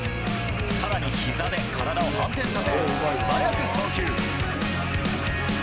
さらに、ひざで体を反転させ、素早く送球。